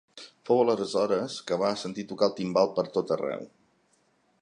Fou aleshores que va sentir tocar el timbal per tot arreu.